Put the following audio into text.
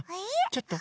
ちょっと。